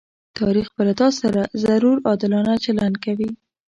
تاريخ به له تاسره ضرور عادلانه چلند کوي.